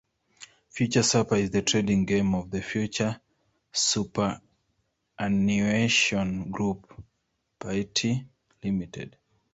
Future Super is the trading name of the Future Superannuation Group Pty Ltd.